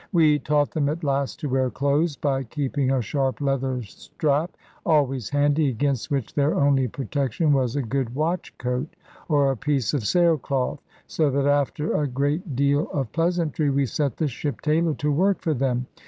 We taught them at last to wear clothes, by keeping a sharp leather strap always handy, against which their only protection was a good watch coat, or a piece of sailcloth; so that after a great deal of pleasantry, we set the ship tailor to work for them.